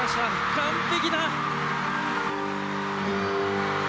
完璧だ。